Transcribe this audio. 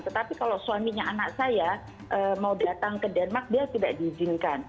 tetapi kalau suaminya anak saya mau datang ke denmark dia tidak diizinkan